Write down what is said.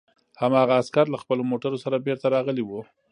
هماغه عسکر له خپلو موټرو سره بېرته راغلي وو